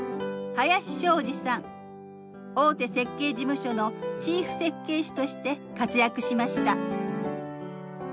大手設計事務所のチーフ設計士として活躍しました。